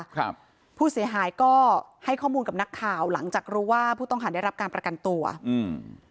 ครับผู้เสียหายก็ให้ข้อมูลกับนักข่าวหลังจากรู้ว่าผู้ต้องหาได้รับการประกันตัวอืม